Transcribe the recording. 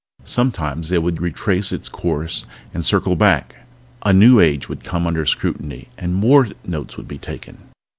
Sometimes it would retrace its course and circle back. A new age would come under scrutiny and more notes would be taken.